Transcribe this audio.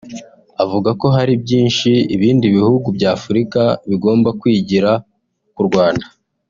avuga ko hari byinshi ibindi bihugu bya Afurika bigomba kwigira ku Rwanda